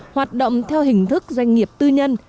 hoạt động theo hình thức doanh nghiệp tư nhân